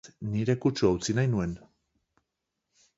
Ukitu horren bidez, nire kutsua utzi nahi nuen.